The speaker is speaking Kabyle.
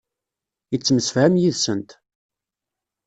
Yettemsefham yid-sent.